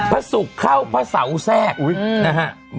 พระสุกเข้าพระเสาแทรก